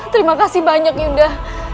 terima kasih banyak yunda